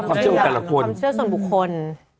ความเชื่อส่วนบุคคล